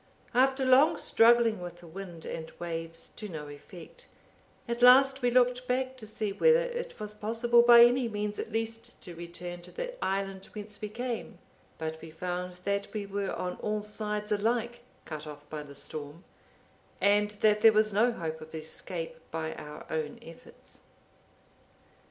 After long struggling with the wind and waves to no effect, at last we looked back to see whether it was possible by any means at least to return to the island whence we came, but we found that we were on all sides alike cut off by the storm, and that there was no hope of escape by our own efforts.